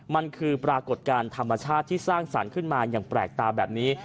มันคือปรากฏการณ์ธรรมชาติที่สร้างสรรค์ขึ้นมาอย่างแปลกตาแบบนี้